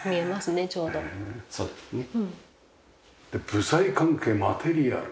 部材関係マテリアル。